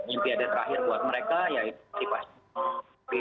impian terakhir buat mereka ya itu pasti